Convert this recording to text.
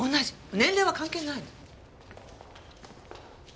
年齢は関係ないの。